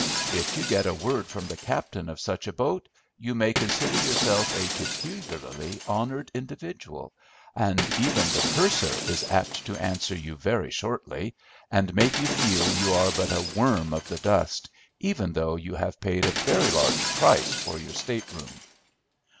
If you get a word from the captain of such a boat you may consider yourself a peculiarly honoured individual, and even the purser is apt to answer you very shortly, and make you feel you are but a worm of the dust, even though you have paid a very large price for your state room.